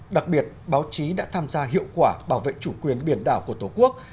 đặc biệt báo chí đã tham gia hiệu quả bảo vệ chủ quyền biển đảo của tổ quốc